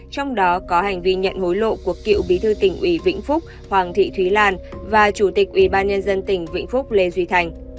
trong đó có hành vi nhận hối lộ của cựu bí thư tỉnh ủy vĩnh phúc hoàng thị thúy lan và chủ tịch ủy ban nhân dân tỉnh vĩnh phúc lê duy thành